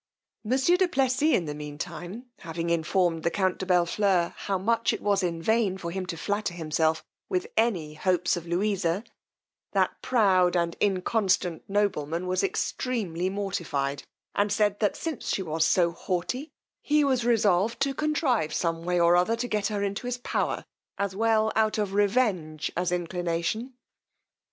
Monsieur du Plessis in the mean time having informed the count de Bellfleur, how much it was in vain for him to flatter himself with any hopes of Louisa, that proud and inconstant nobleman was extremely mortified, and said, that since she was so haughty, he was resolved to contrive some way or other to get her into his power, as well out of revenge as inclination.